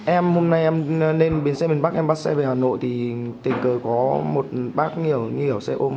em hôm nay em lên xe bên bắc em bắt xe về hà nội thì tình cờ có một bác nhiều nhiều xe ôm